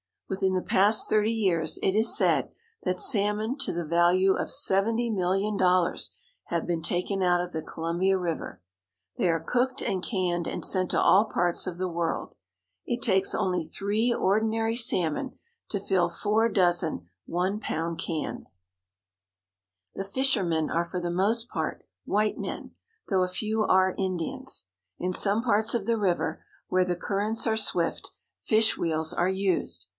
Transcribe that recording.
Within the past thirty years it is said that salmon to the value of seventy million dollars have been taken out of the Columbia River. They are cooked and canned and sent to all parts of the world.' It takes only three ordinary salmon to fill four dozen one pound cans. Fish Wheel. SEATTLE AND TACOMA. 283 The fishermen are for the most part white men, though a few are Indians. In some parts of the river, where the currents are swift, fish wheels are used.